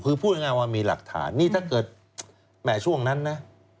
คือพูดง่ายว่ามีหลักฐานนี่ถ้าเกิดแหม่ช่วงนั้นนะ